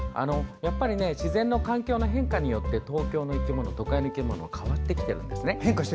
自然の環境の変化によって東京の生き物、都会の生き物は変わってきているんですね。